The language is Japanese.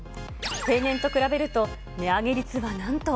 例年と比べると値上げ率はなんと。